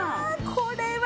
これは。